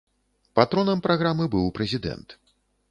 Патронам праграмы быў прэзідэнт.